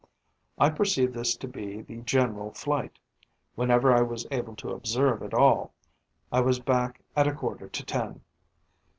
I perceived this to be the general flight, whenever I was able to observe at all. I was back at a quarter to ten.